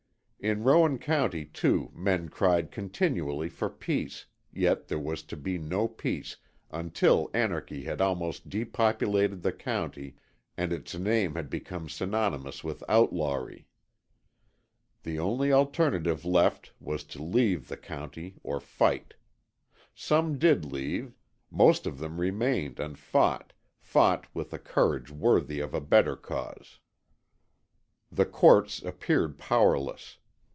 In Rowan County, too, men cried continually for peace, yet there was to be no peace until anarchy had almost depopulated the county and its name had become synonymous with outlawry. The only alternative left was to leave the country or fight. Some did leave, most of them remained and fought, fought with a courage worthy of a better cause. The courts appeared powerless.